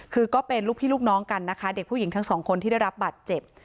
คือก็เป็นลูกพี่ลูกน้องกันนะคะเด็กผู้หญิงทั้งสองคนที่ได้รับบาดเจ็บ